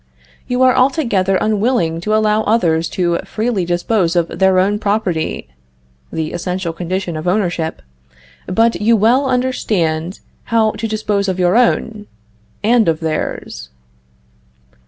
You are altogether unwilling to allow others to freely dispose of their own property (the essential condition of ownership); but you well understand how to dispose of your own and of theirs.